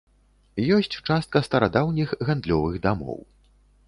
Ёсць частка старадаўніх гандлёвых дамоў.